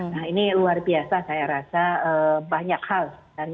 nah ini luar biasa saya rasa banyak hal